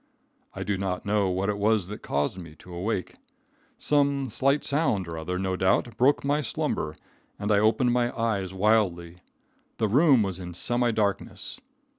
I do not know what it was that caused me to wake. Some slight sound or other, no doubt, broke my slumber, and I opened my eyes wildly. The room was in semi darkness.